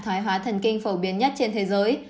thoái hóa thần kinh phổ biến nhất trên thế giới